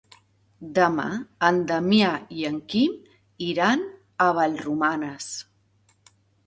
Demà en Damià i en Quim iran a Vallromanes.